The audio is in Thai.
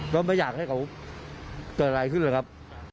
ก็ไม่อยากให้เขาเกิดอะไรขึ้นเลยครับ